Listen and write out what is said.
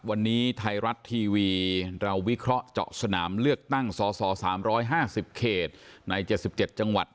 วันนี้ไทยรัฐทีวีเราวิเคราะห์เจาะสนามเลือกตั้งสอสามร้อยห้าสิบเขตในเจ็ดสิบเจ็ดจังหวัด